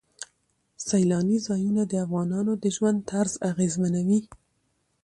سیلاني ځایونه د افغانانو د ژوند طرز اغېزمنوي.